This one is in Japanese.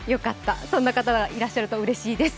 そんな方がいらっしゃるとうれしいです。